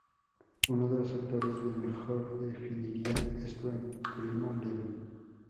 Uno de las autores que mejor definiría esto es Primo Levi.